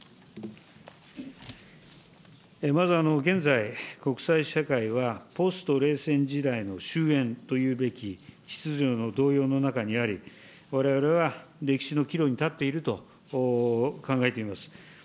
まず現在、国際社会は、ポスト冷戦時代の終えんというべき秩序の動揺の中にあり、われわれは歴史の岐路に立っていると考えています。